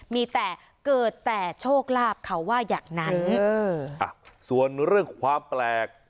มีแต่เกิดแต่โชคลาภเขาว่าอย่างนั้นเอออ่ะส่วนเรื่องความแปลก